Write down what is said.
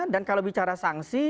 dan kalau bicara sanksi